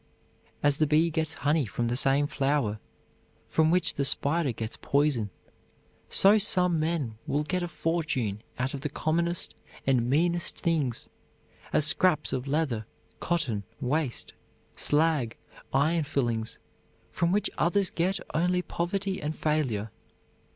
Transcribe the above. As the bee gets honey from the same flower from which the spider gets poison, so some men will get a fortune out of the commonest and meanest things, as scraps of leather, cotton waste, slag, iron filings, from which others get only poverty and failure.